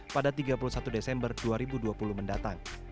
pada tiga puluh satu desember dua ribu dua puluh mendatang